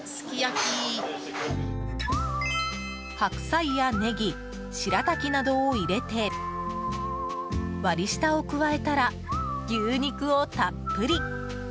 白菜やネギ、白滝などを入れて割り下を加えたら牛肉をたっぷり！